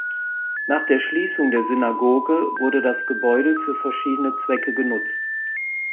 Nach der Schließung der Synagoge wurde das Gebäude für verschiedene Zwecke genutzt.